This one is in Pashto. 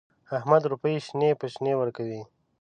احمد روپۍ شنې په شنې ورکوي.